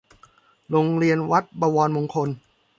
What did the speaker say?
โรงเรียนวัดบวรมงคล